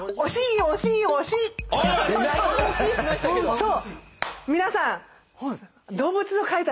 そう。